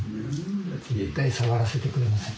絶対触らせてくれません。